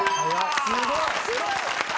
すごい！